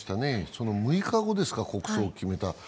その６日後ですか、国葬を決めた。